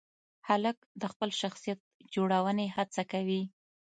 هلک د خپل شخصیت جوړونې هڅه کوي.